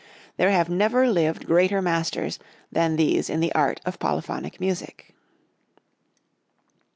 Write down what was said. There have never lived greater masters than these in the art of polyphonic music.